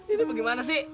ini bagaimana sih